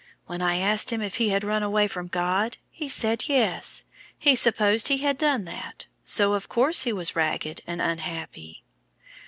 When I asked him if he had run away from God, he said yes, he supposed he had done that, so of course he was ragged and unhappy."